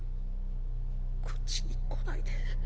こっちに来ないで。